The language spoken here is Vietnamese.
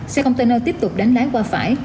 xe container tiếp tục đánh lái qua phải